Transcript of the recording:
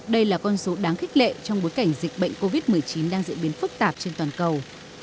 đây là con số đáng khích lệ trong bối cảnh dịch bệnh covid một mươi chín đang diễn biến phức tạp trên toàn cầu